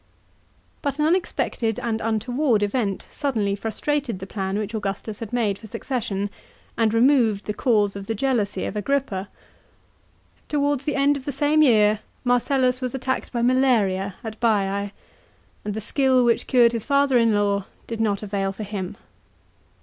But an unexpected and untoward event suddenly frustrated the plan which Augustus had made for the succession, and removed the cause of the jealousy of Agrippa. Towards the end of the same year, Marcellus was attacked by malaria at Baiee, and the skill which cured his father in law did not avail for him.